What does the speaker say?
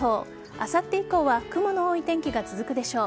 あさって以降は雲の多い天気が続くでしょう。